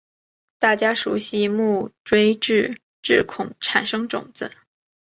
大家熟悉木质锥锥孔产生种子。